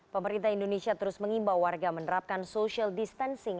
pemerintah indonesia terus mengimbau warga menerapkan social distancing